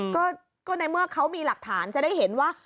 ก็ในเมื่อเขามีหลักฐานจะได้เห็นว่า